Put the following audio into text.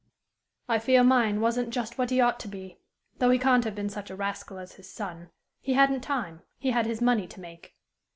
"I fear mine wasn't just what he ought to be, though he can't have been such a rascal as his son: he hadn't time; he had his money to make."